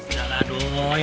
ya lah doi